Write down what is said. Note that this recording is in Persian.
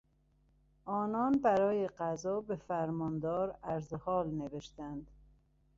آنان برای غذا به فرماندار عرضحال نوشتند.